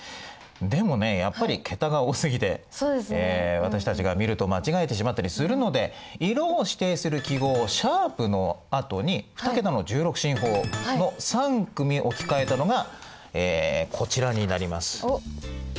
でもねやっぱり桁が多すぎて私たちが見ると間違えてしまったりするので色を指定する記号「♯」のあとに２桁の１６進法の３組置き換えたのがこちらになります。